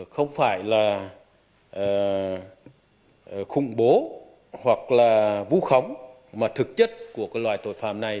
không phải là khủng bố hoặc là vũ khóng mà thực chất của loài tội phạm này